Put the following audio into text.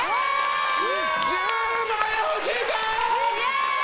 １０万円欲しいか！？